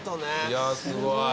いやすごい。